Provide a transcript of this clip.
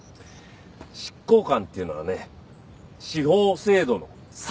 執行官っていうのはね司法制度の最後の砦よ。